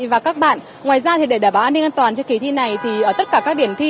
và các bạn ngoài ra để đảm bảo an ninh an toàn cho kỳ thi này thì ở tất cả các điểm thi